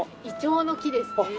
イチョウの木ですね。